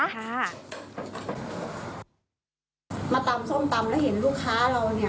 มาตามส้มตำแล้วเห็นลูกค้าเราเนี่ย